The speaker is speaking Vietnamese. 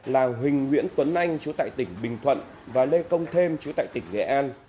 là huỳnh nguyễn tuấn anh chú tại tỉnh bình thuận và lê công thêm chú tại tỉnh nghệ an